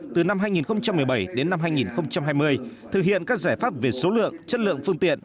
từ năm hai nghìn một mươi bảy đến năm hai nghìn hai mươi thực hiện các giải pháp về số lượng chất lượng phương tiện